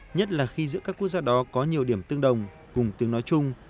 nhất là khi giữa các quốc gia đó có nhiều điểm tương đồng cùng tiếng nói chung